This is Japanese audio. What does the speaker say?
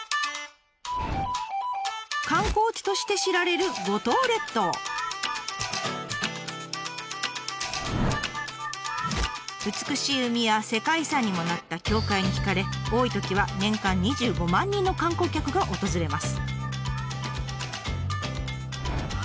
観光地として知られる美しい海や世界遺産にもなった教会に惹かれ多いときは年間２５万人の観光客が訪れます。